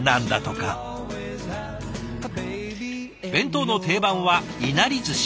弁当の定番はいなりずし。